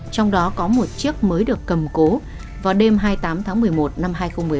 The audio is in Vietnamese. trong đó có một chiếc mới được cầm cố vào đêm hai mươi tám tháng một mươi một năm hai nghìn một mươi ba